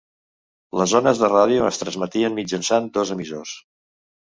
Les ones de ràdio es transmetien mitjançant dos emissors.